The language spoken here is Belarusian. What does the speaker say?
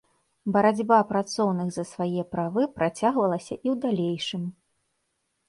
Барацьба працоўных за свае правы працягвалася і ў далейшым.